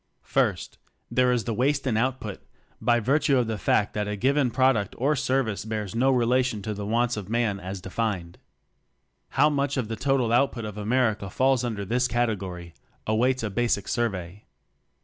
First, there is the waste in output by virtue of the fact that a given product or service bears no relation to the wants ^ Archbald, The Four Hour Day in Coal. 23 of man as defined. How much of the total output of Amer ica falls under this category awaits a basic survey.